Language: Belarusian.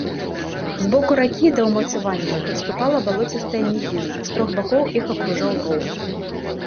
З боку ракі да ўмацаванняў падступала балоцістая нізіна, з трох бакоў іх акружаў роў.